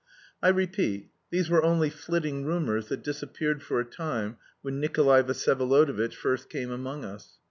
I repeat, these were only flitting rumours that disappeared for a time when Nikolay Vsyevolodovitch first came among us.